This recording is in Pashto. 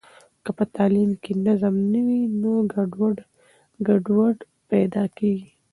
که په تعلیم کې نظم نه وي نو ګډوډي پیدا کېږي.